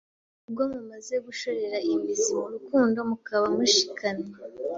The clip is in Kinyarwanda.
ubwo mumaze gushorera imizi mu rukundo, mukaba mushikamye,"